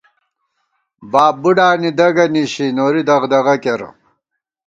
باب بُوڈانی دَگہ نِشی ، نوری دغدغہ کېرہ